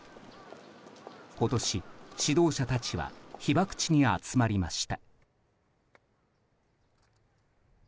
今年、指導者たちは被爆地に集まりました。